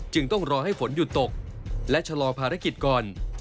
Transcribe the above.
ต้องรอให้ฝนหยุดตกและชะลอภารกิจก่อน